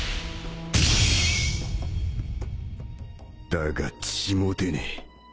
だが血も出ねえ